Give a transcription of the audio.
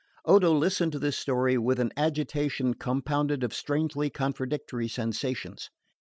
Odo listened to this story with an agitation compounded of strangely contradictory sensations.